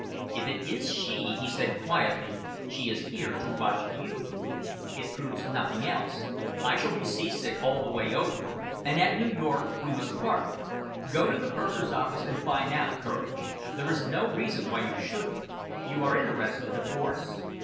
"If it is she," he said quietly, "she is here to watch you! It proves nothing else. I shall be seasick all the way over, and at New York we must part. Go to the purser's office and find out, Courage. There is no reason why you shouldn't. You are interested, of course?"